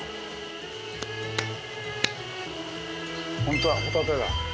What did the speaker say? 本当だホタテだ。